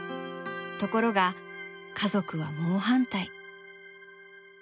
ところが家族は猛反対。